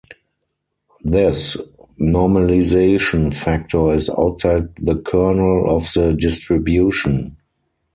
This normalization factor is outside the kernel of the distribution.